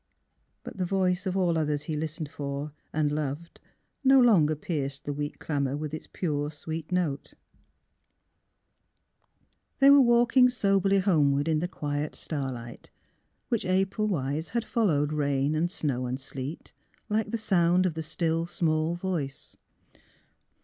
But the voice of all others he listened for and loved no longer pierced the weak clamour with its pure, sweet note. *' A SPOT WHERE SPIEITS BLEND " 43 They were walking soberly homeward in the quiet starlight, which April wise had followed rain and snow and sleet, like the sound of the still small voice.